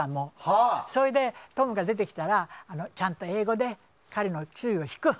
それで、トムが出てきたらちゃんと英語で彼の注意を引く。